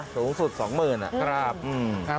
สูงสุด๒๐๐๐๐บาท